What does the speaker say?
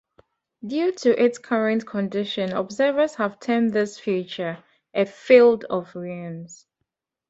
Due to its current condition, observers have termed this feature a 'field of ruins'.